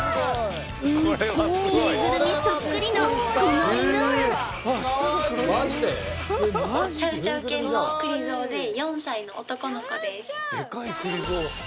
ぬいぐるみそっくりのこの犬はチャウ・チャウ犬のくり蔵で４歳の男のコです